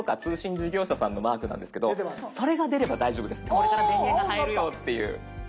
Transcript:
これから電源が入るよっていう。